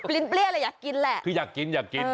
ลินเปรี้ยเลยอยากกินแหละคืออยากกินอยากกิน